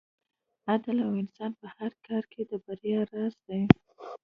عدل او انصاف په هر کار کې د بریا راز دی.